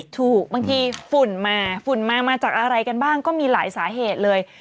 ถูกบางทีฝุ่นมาฝุ่นมามาจากอะไรกันบ้างก็มีหลายสาเหตุเลย